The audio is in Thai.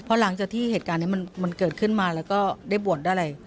เพราะว่าหลังจากเกิดขึ้นแล้วก็ไปบวชได้เลย